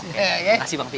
oke makasih bang pi